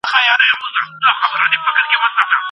سم نیت ستړیا نه پیدا کوي.